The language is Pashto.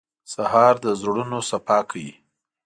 سهار د زړونو صفا کوي.